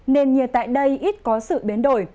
nên nhiệt tại đây ít có sự biến đổi